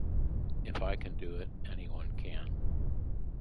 If I can do it, anyone can.